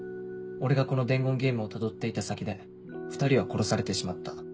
俺がこの伝言ゲームをたどって行った先で２人は殺されてしまった。